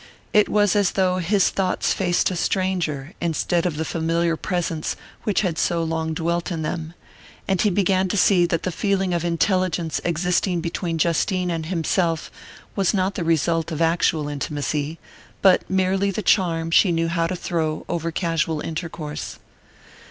It was as though his thoughts faced a stranger instead of the familiar presence which had so long dwelt in them; and he began to see that the feeling of intelligence existing between Justine and himself was not the result of actual intimacy, but merely of the charm she knew how to throw over casual intercourse.